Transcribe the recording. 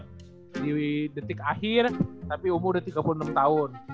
jadi detik akhir tapi umur udah tiga puluh enam tahun